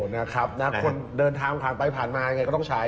นะครับคนเดินทางข้างไปผ่านมาอย่างไรก็ต้องใช้